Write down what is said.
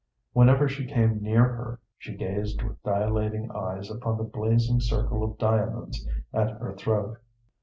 Whenever she came near her she gazed with dilating eyes upon the blazing circle of diamonds at her throat.